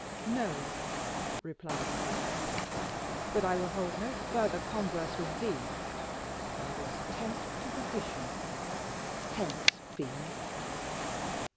"No," replied Surrey. "But I will hold no further converse with thee. Thou wouldst tempt to perdition. Hence, fiend!"